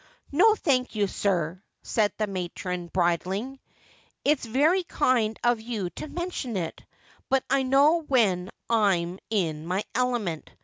'No, thank you, sir,' said the matron, bridling, 'it's very kind of you to mention it, but I know when I'm in my element.